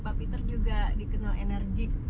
pak peter juga dikenal enerjik